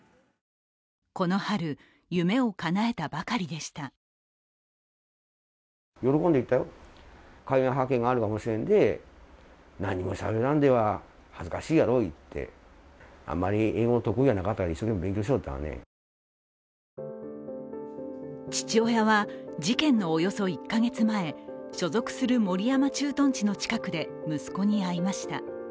この春、夢をかなえたばかりでした父親は事件のおよそ１か月前所属する守山駐屯地の近くで息子に会いました。